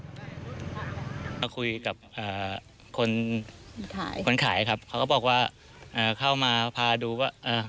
ก่อนมาคุยกับครับเขาก็บอกว่าเข้ามาพาดูว่าอ่า